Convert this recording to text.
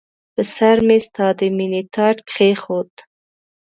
پر سرمې ستا د مییني تاج کښېښود